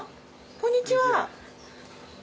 こんにちは。